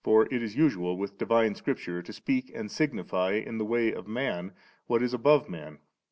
For it is usual with divine Scripture to speak and signify in the way of man what is above man.